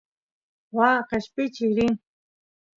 waa qeshpichiy rin